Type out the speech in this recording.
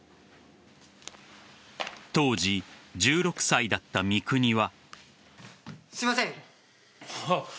当時１６歳だった三國は。